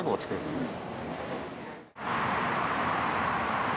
うん。